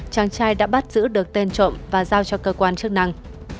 chàng trai đã bắt giữ được tên trộm và giao cho cơ quan chức năng